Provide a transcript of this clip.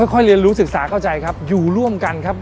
ค่อยเรียนรู้ศึกษาเข้าใจครับอยู่ร่วมกันครับ